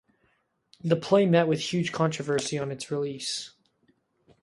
The play met with huge controversy on its release.